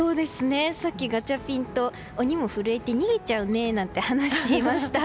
さっきガチャピンと鬼も震えて逃げちゃうねと話していました。